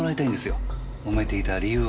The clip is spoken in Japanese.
揉めていた理由を。